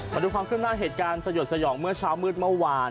มาดูความขึ้นหน้าเหตุการณ์สยดสยองเมื่อเช้ามืดเมื่อวาน